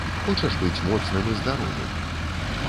Хочаш быць моцным і здаровым?